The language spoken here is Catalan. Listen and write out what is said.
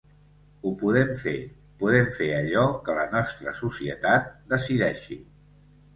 Ho podem fer, podem fer allò que la nostra societat decideixi.